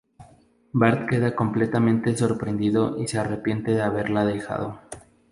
Bart queda completamente sorprendido y se arrepiente de haberla dejado.